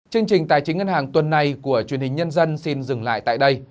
chương trình tài chính ngân hàng tuần này của truyền hình nhân dân xin dừng lại tại đây